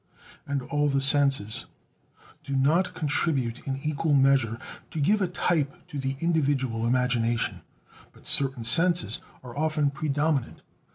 And all the senses do not contribute in equal measure to give a type to the individual imagination; but certain senses are often predominant.